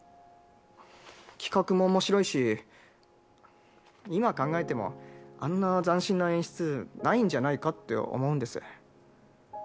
企画も面白いし今考えてもあんな斬新な演出ないんじゃないかって思うんです。